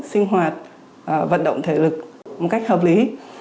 sinh hoạt vận động thể lực một cách hợp lý